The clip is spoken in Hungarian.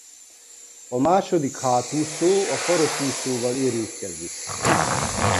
A második hátúszó a farokúszóval érintkezik.